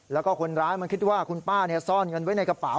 แล้วก็คนร้ายมันคิดว่าคุณป้าซ่อนเงินไว้ในกระเป๋า